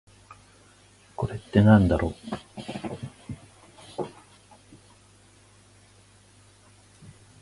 これってなんだろう？